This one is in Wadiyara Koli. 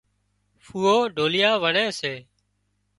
ڦوئو ڍوليا وڻي سي